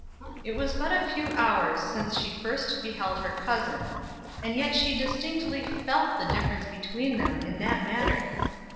It was but a few hours since she first beheld her cousin; and yet she distinctly felt the difference between them in that matter.